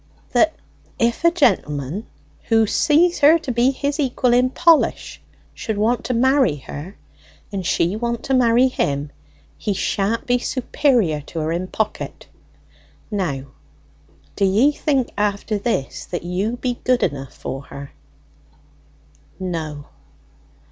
"That if any gentleman, who sees her to be his equal in polish, should want to marry her, and she want to marry him, he sha'n't be superior to her in pocket. Now do ye think after this that you be good enough for her?" "No."